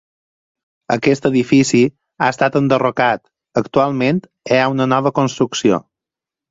Aquest edifici ha estat enderrocat, actualment hi ha una nova construcció.